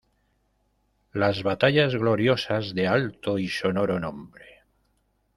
¡ las batallas gloriosas de alto y sonoro nombre!